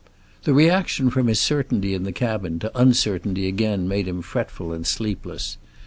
The reaction from his certainty in the cabin to uncertainty again made him fretful and sleepless.